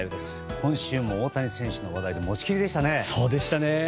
今週も大谷選手の話題で持ちきりでしたね。